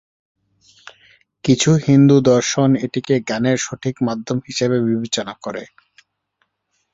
কিছু হিন্দু দর্শন এটিকে জ্ঞানের সঠিক মাধ্যম হিসাবে বিবেচনা করে।